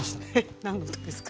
何のですか？